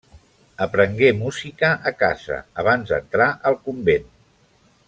Aprengué música a casa, abans d'entrar al convent.